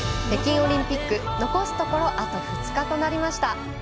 北京オリンピック残すところあと２日となりました。